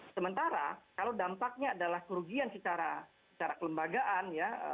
sementara kalau dampaknya adalah kerugian secara kelembagaan ya